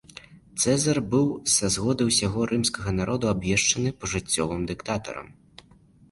Цэзар быў са згоды ўсяго рымскага народа абвешчаны пажыццёвым дыктатарам.